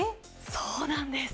そうなんです。